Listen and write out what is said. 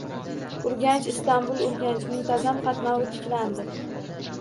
Urganch – Istanbul – Urganch muntazam qatnovi tiklandi